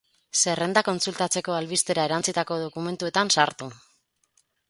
Zerrendak kontsultatzeko albistera erantsitako dokumentuetan sartu.